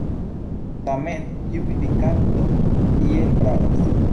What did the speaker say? Tamen tiu kritikanto iel pravas.